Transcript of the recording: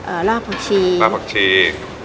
เอ่อล่าหักชีล่าหักชี